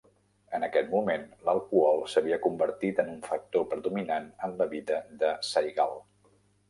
En aquest moment, l'alcohol s'havia convertit en un factor predominant en la vida de Saigal.